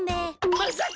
まさか！